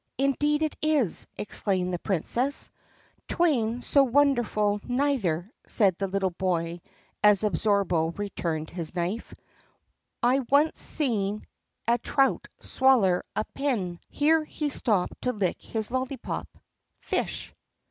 "Indeed it is!" exclaimed the Princess. " 'Tain't so wonderful neither," said the little boy as Ab sorbo returned his knife. "I onct seen a trout swaller a pin" — here he stopped to lick his lollypop — "fish."